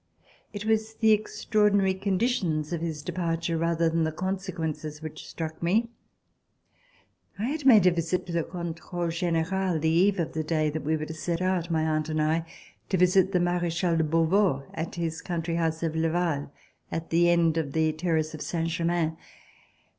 It was the extraordinary conditions of his de parture, rather than the consequences, which struck FALL OF THE BASTILLE mc. I had made a visit to the Controle General the eve of the day that we were to set out, my aunt and I, to visit the Marechal de Beauvau at his country house of Le Val, at the end of the terrace of Saint Germain.